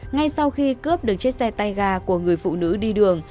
ngay sau khi cướp được chiếc xe tay ga của người phụ nữ đi đường